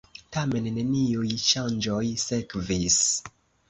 Tamen neniuj ŝanĝoj sekvis.